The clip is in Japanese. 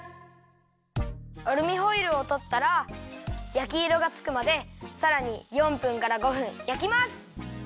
アルミホイルをとったら焼きいろがつくまでさらに４分から５分焼きます。